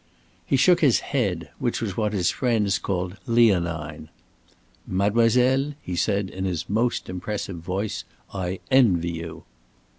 He shook his head, which was what his friends called "leonine." "Mademoiselle," he said, in his most impressive voice, "I envy you."